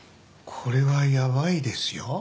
これはヤバいですよ。